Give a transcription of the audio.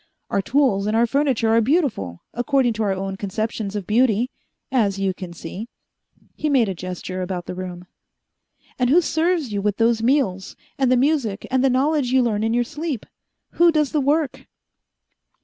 Our tools and our furniture are beautiful according to our own conceptions of beauty as you can see." He made a gesture about the room. "And who serves you with those meals, and the music, and the knowledge you learn in your sleep? Who does the work?"